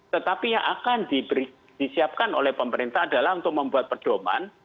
tetapi yang akan disiapkan oleh pemerintah adalah untuk membuat perdoman